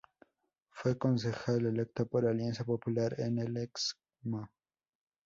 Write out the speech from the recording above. Fue concejal electo por Alianza Popular en el Excmo.